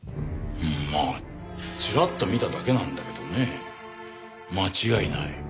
まあチラッと見ただけなんだけどね間違いない。